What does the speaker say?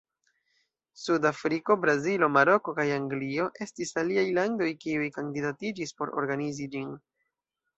Sud-Afriko, Brazilo, Maroko, kaj Anglio estis aliaj landoj kiuj kandidatiĝis por organizi ĝin.